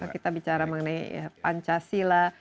kita bicara mengenai pancasila